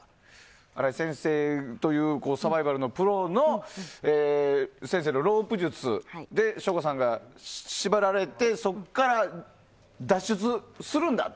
荒井先生というサバイバルのプロの先生のロープ術で省吾さんが縛られてそこから脱出するんだと。